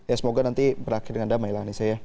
ya semoga nanti berakhir dengan damai lah anissa ya